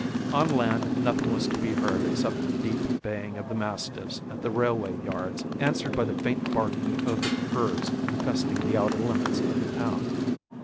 On land nothing was to be heard except the deep baying of the mastiffs at the railway yards, answered by the faint barking of the curs infesting the outer limits of the town.